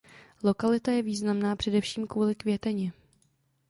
Lokalita je významná především kvůli květeně.